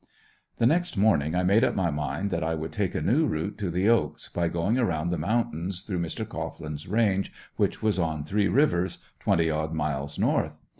The next morning I made up my mind that I would take a new route to the "Oaks" by going around the mountains through Mr. Cohglin's range which was on Three Rivers, twenty odd miles north.